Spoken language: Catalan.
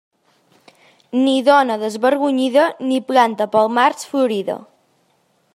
Ni dona desvergonyida ni planta pel març florida.